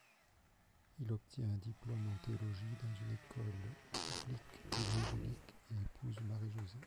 Il obtient un diplôme en théologie dans une école biblique évangélique et épouse Marie-Josée.